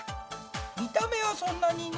見た目はそんなにね。